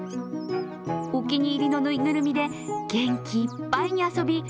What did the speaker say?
お気に入りのぬいぐるみで元気いっぱいに遊び